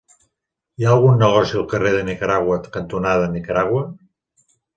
Hi ha algun negoci al carrer Nicaragua cantonada Nicaragua?